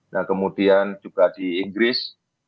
nah kemudian juga di inggris